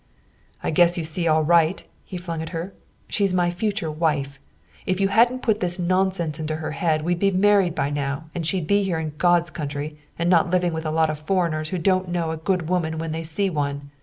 "I guess you see all right!" he flung at her. "She's my future wife. If you hadn't put this nonsense into her head we'd be married now and she'd be here in God's country and not living with a lot of foreigners who don't know a good woman when they see one.